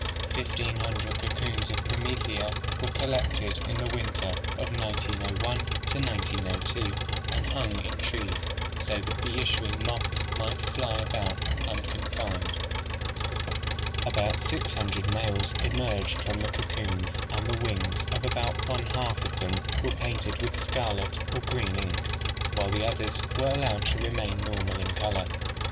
Fifteen hundred cocoons SEXUAL AND ARTIFICIAL SELECTION 125 of promethea were collected in the winter of 1001 1002 and hung in trees so that the issuing moths might fly about unconfined. "About six hun dred males emerged from the cocoons and the wings of about one half of them were painted with scarlet or green ink, while the others were allowed to remain normal in color.